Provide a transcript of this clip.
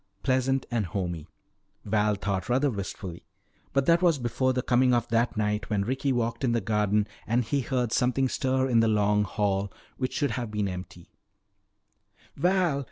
Pleasant and homey, Val thought rather wistfully. But that was before the coming of that night when Ricky walked in the garden and he heard something stir in the Long Hall which should have been empty "Val!